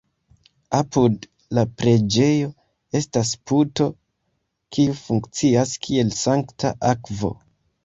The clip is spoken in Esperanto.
Apud la preĝejo estas puto, kiu funkcias kiel sankta akvo.